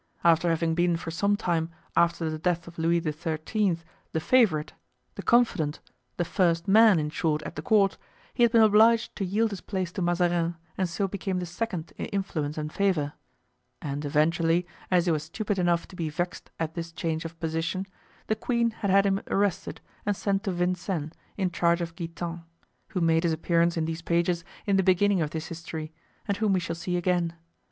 After having been for some time after the death of Louis XIII. the favorite, the confidant, the first man, in short, at the court, he had been obliged to yield his place to Mazarin and so became the second in influence and favor; and eventually, as he was stupid enough to be vexed at this change of position, the queen had had him arrested and sent to Vincennes in charge of Guitant, who made his appearance in these pages in the beginning of this history and whom we shall see again.